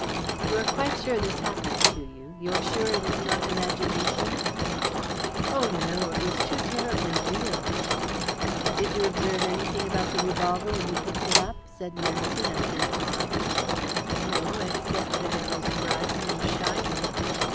"You are quite sure this happened to you? You are sure it is not imagination?" "Oh, no, it was too terribly real." "Did you observe anything about the revolver when you picked it up?" said Merrington after a pause. "No, except that it was bright and shining."